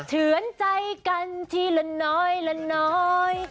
เฉือนใจกันทีละน้อยละน้อย